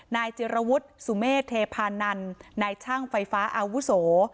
นายจิรวุฒิสุเมฆเทพานันนายช่างไฟฟ้าอาวุโส